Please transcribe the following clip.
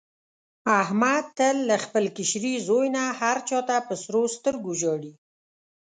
احمد تل له خپل کشري زوی نه هر چا ته په سرو سترګو ژاړي.